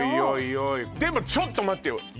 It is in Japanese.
おいでもちょっと待ってよ